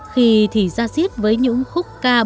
khi thì gia diết với những khúc nhạc chữ tình